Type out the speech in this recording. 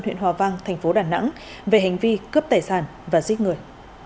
huyện hòa vang tp đà nẵng về hành vi cướp tài sản và giết người